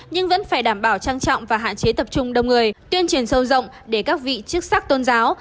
nhưng vẫn phải đảm bảo trang trọng và hạn chế tập trung đông người tuyên truyền sâu rộng để các vị chức sắc tôn giáo